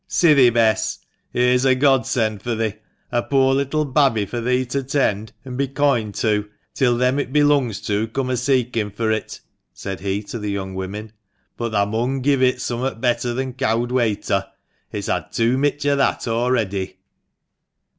" Si thi, Bess ! here's a God send fur thi — a poor little babby fur thee to tend an' be koind to, till them it belungs to come a seekin' fur it," said he to the young woman ;" but thah mun give it summat better than cowd wayter — it's had too mich o' that a'ready."